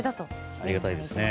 ありがたいですね。